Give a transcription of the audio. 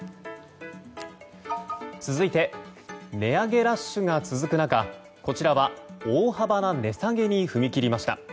続いて値上げラッシュが続く中こちらは大幅な値下げに踏み切りました。